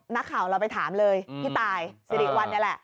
นักข่าวเราไปถามเลยที่ตายสิริควันนะแล้ว